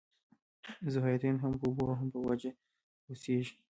ذوحیاتین هم په اوبو او هم په وچه اوسیږي